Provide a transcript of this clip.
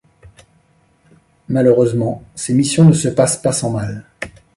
Malheureusement, ses missions ne se passent pas sans mal...